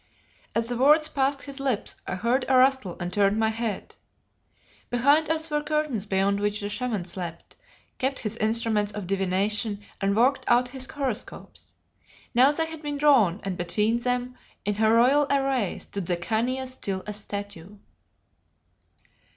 As the words passed his lips I heard a rustle and turned my head. Behind us were curtains beyond which the Shaman slept, kept his instruments of divination and worked out his horoscopes. Now they had been drawn, and between them, in her royal array, stood the Khania still as a statue.